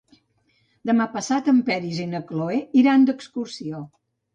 Demà passat en Peris i na Cloè iran d'excursió.